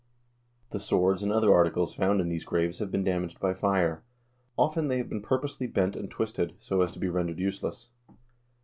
The swords and other articles found in these graves have been damaged by fire ; often they have been purposely bent and twisted, so as to be rendered useless.